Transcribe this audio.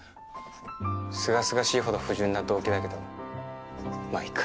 すがすがしいほど不純な動機だけどまあいいか。